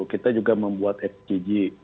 kita juga membuat fcg